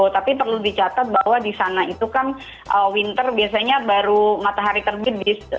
tapi perlu dicatat bahwa di sana itu kan winter biasanya baru matahari terbit